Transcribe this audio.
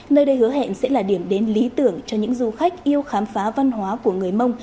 nơi đây hứa hẹn sẽ là điểm đến lý tưởng cho những du khách yêu khám phá văn hóa của người mông